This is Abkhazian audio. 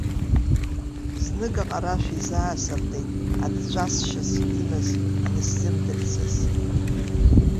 Знык аҟара ашә изаасыртит аҵәҵәа асшьас имаз анысзымдырцыз.